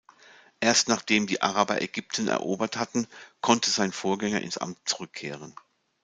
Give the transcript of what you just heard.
Erst nachdem die Araber Ägypten erobert hatten, konnte sein Vorgänger ins Amt zurückkehren.